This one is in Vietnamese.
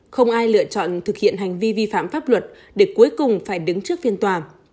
không ai lựa chọn thực hiện hành vi vi phạm pháp luật để cuối cùng phải đứng trước phiên tòa